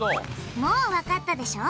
もうわかったでしょ。